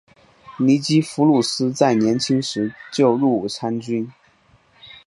尼基弗鲁斯在年轻时就入伍参军。